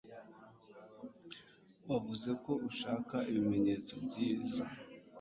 Wavuze ko ushaka ibimenyetso .Nibyiza .